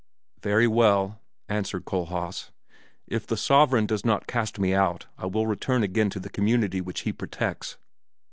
"Very well," answered Kohlhaas, "if the sovereign does not cast me out I will return again to the community which he protects.